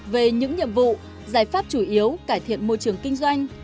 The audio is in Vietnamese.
về những nhiệm vụ giải pháp chủ yếu cải thiện môi trường kinh doanh